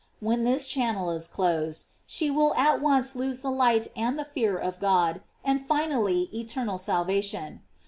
When this channel is closed, she will at once lose the light and the fear of God, and finally eternal salvation.